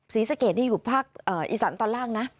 ศรีสะเกดนี่อยู่ภาคอีสานตอนล่างนะ